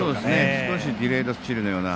少しディレードスチールのような。